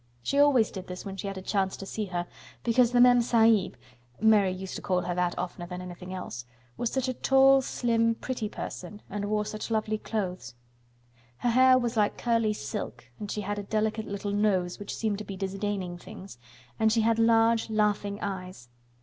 She always did this when she had a chance to see her, because the Mem Sahib—Mary used to call her that oftener than anything else—was such a tall, slim, pretty person and wore such lovely clothes. Her hair was like curly silk and she had a delicate little nose which seemed to be disdaining things, and she had large laughing eyes.